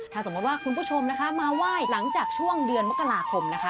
ถ้าสมมติว่าคุณผู้ชมนะคะมาไหว้หลังจากช่วงเดือนมกราคมนะคะ